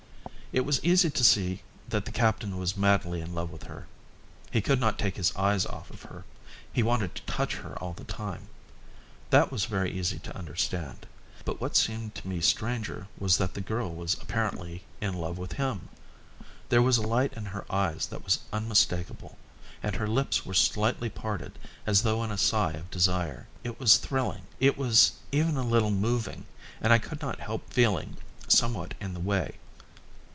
It was easy to see that the captain was madly in love with her. He could not take his eyes off her; he wanted to touch her all the time. That was very easy to understand; but what seemed to me stranger was that the girl was apparently in love with him. There was a light in her eyes that was unmistakable, and her lips were slightly parted as though in a sigh of desire. It was thrilling. It was even a little moving, and I could not help feeling somewhat in the way.